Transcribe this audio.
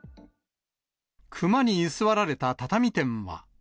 クマに居座られた畳店は。